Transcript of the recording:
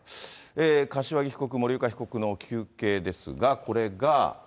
柏木被告、森岡被告の求刑ですが、これが。